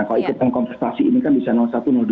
nah kalau ikut dalam kontestasi ini kan bisa satu dua ya gitu